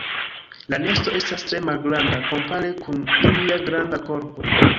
La nesto estas tre malgranda, kompare kun ilia granda korpo.